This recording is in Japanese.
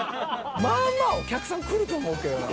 まあまあお客さん来ると思うけどな。